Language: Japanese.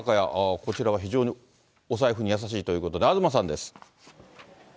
こちらは非常にお財布に優しいということで、東さんです。